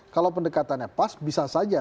kalau pendekatannya pas bisa saja